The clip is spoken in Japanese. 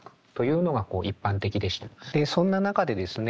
でそんな中でですね